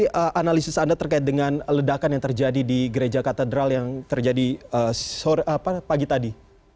bagaimana analisis anda terkait dengan ledakan yang terjadi di gereja katedral yang terjadi pagi tadi